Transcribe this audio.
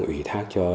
quỹ thác cho